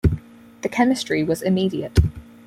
The chemistry was immediate.